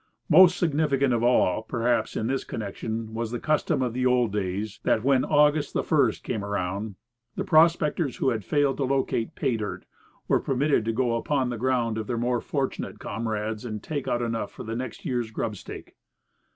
Most significant of all, perhaps, in this connection, was the custom of the old days, that when August the first came around, the prospectors who had failed to locate "pay dirt" were permitted to go upon the ground of their more fortunate comrades and take out enough for the next year's grub stake.